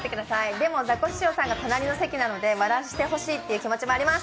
でもザコシショウさんが隣の席なので笑わせてほしいっていう気持ちもあります。